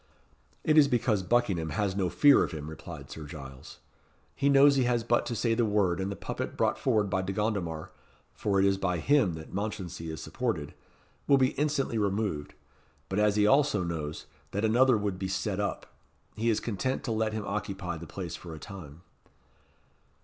"It is because Buckingham has no fear of him," replied Sir Giles. "He knows he has but to say the word, and the puppet brought forward by De Gondomar for it is by him that Mounchensey is supported will be instantly removed; but as he also knows, that another would be set up, he is content to let him occupy the place for a time."